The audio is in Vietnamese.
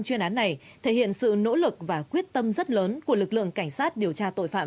chuyên án này thể hiện sự nỗ lực và quyết tâm rất lớn của lực lượng cảnh sát điều tra tội phạm